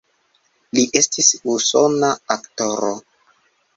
Li estis usona aktoro.